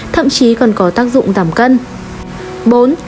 thậm chí còn có tác dụng giảm cân